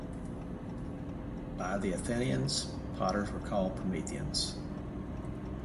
By the Athenians, potters were called Prometheans.